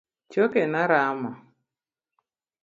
Chokena rama.